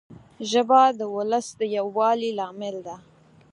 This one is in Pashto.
ژبه د ولس د یووالي لامل ده